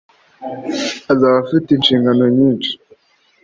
azaba afite inshingano nyishi